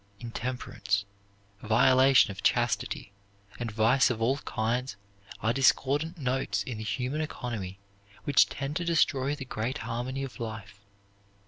Intemperance, violation of chastity, and vice of all kinds are discordant notes in the human economy which tend to destroy the great harmony of life.